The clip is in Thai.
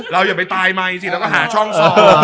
เราอย่าไปตายใหม่เราก็หาช่องซอ